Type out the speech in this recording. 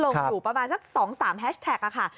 อยู่ประมาณสัก๒๓แฮชแท็กค่ะ